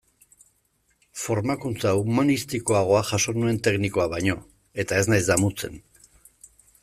Formakuntza humanistikoagoa jaso nuen teknikoa baino, eta ez naiz damutzen.